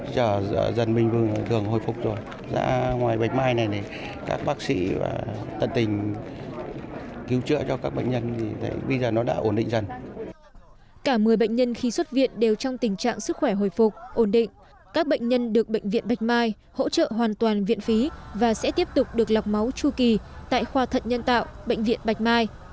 cả một mươi bệnh nhân khi xuất viện đều trong tình trạng sức khỏe hồi phục ổn định các bệnh nhân được bệnh viện bạch mai hỗ trợ hoàn toàn viện phí và sẽ tiếp tục được lọc máu chu kỳ tại khoa thận nhân tạo bệnh viện bạch mai